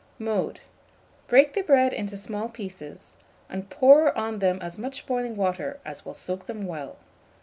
Mode. Break the bread into small pieces, and pour on them as much boiling water as will soak them well.